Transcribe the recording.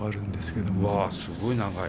わあすごい長い。